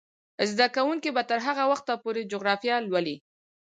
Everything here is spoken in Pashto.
زده کوونکې به تر هغه وخته پورې جغرافیه لولي.